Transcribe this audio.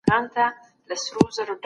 سوداګرو نوي ماشينونه هيواد ته راوړل.